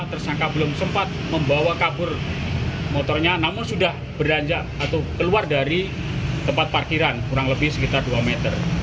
tersangka belum sempat membawa kabur motornya namun sudah beranjak atau keluar dari tempat parkiran kurang lebih sekitar dua meter